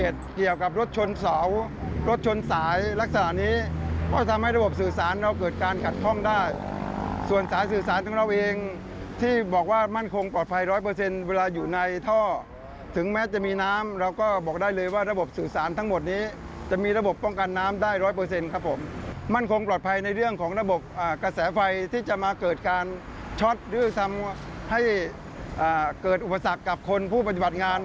ที่จะมาเกิดการช็อตหรือทำให้เกิดอุปสรรคกับคนผู้ปฏิบัติงาน